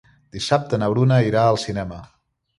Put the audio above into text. Dissabte na Bruna irà al cinema.